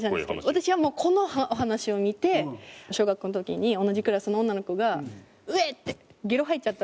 私はもうこのお話を見て小学校の時に同じクラスの女の子がウエッてゲロ吐いちゃったんです。